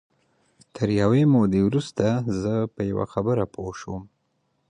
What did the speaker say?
تر یوې مودې وروسته زه په یوه خبره پوه شوم